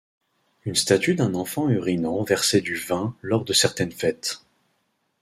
Une statue d'un enfant urinant versait du vin lors de certaines fêtes.